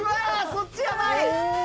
そっちヤバい！